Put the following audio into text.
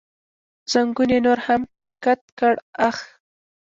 زنګون یې نور هم کت کړ، اخ.